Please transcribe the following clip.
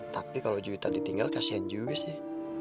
tapi kalau juy tadi tinggal kasihan juga sih